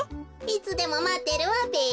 いつでもまってるわべ。